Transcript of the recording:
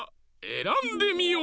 えらんでみよ！